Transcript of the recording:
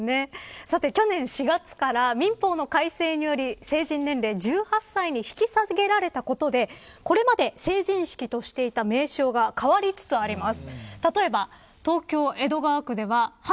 さて、去年４月から民法の改正により成人年齢、１８歳に引き下げられたことでこれまで、成人式としていた名称が変わりつつあります。